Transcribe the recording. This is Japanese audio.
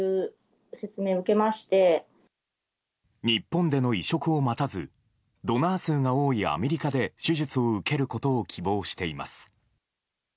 日本での移植を待たずドナー数が多いアメリカで手術を受けることを希望しています。